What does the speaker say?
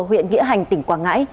huyện nghĩa hành tỉnh quảng ngãi